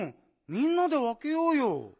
みんなでわけようよ。